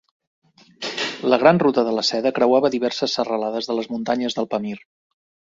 La Gran Ruta de la Seda creuava diverses serralades de les muntanyes del Pamir.